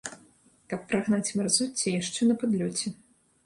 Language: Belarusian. Каб прагнаць мярзоцце яшчэ на падлёце.